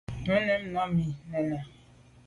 Nu mèn nà mi me nène.